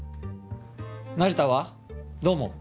成田はどう思う？